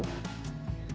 perubahan kebiasaan youtube